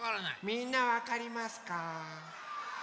みんなわかりますか？